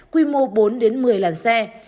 quy mô bốn một mươi làn xe